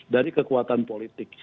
dari kekuatan politik